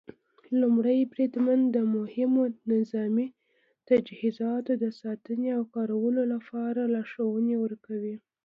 لومړی بریدمن د مهمو نظامي تجهیزاتو د ساتنې او کارولو لپاره لارښوونې ورکوي.